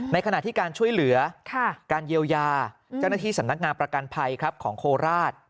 ขณะที่การช่วยเหลือการเยียวยาเจ้าหน้าที่สำนักงานประกันภัยของโคราช